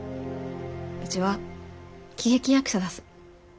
うちは喜劇役者だす。